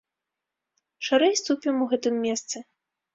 Шырэй ступім у гэтым месцы.